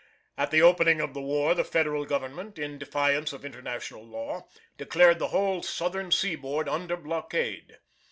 At the opening of the war the Federal Government, in defiance of International Law, declared the whole Southern seaboard under blockade.